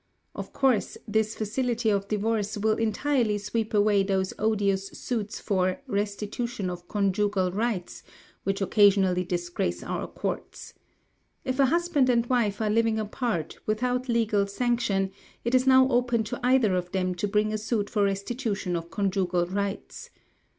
Of course, this facility of divorce will entirely sweep away those odious suits for "restitution of conjugal rights" which occasionally disgrace our courts. If a husband and wife are living apart, without legal sanction, it is now open to either of them to bring a suit for restitution of conjugal rights.